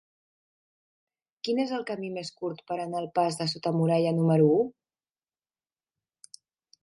Quin és el camí més curt per anar al pas de Sota Muralla número u?